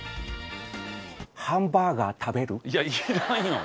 ハンバーガー、食べる？いらんよ。